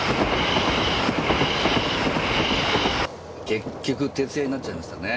結局徹夜になっちゃいましたね。